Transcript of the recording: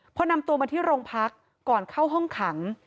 พอนำตัวมาที่โรงพักก่อนเข้าห้องขัง